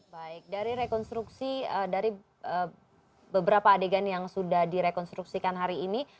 baik dari rekonstruksi dari beberapa adegan yang sudah direkonstruksikan hari ini